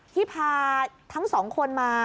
ที่พาทั้ง๒คนมา